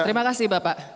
terima kasih bapak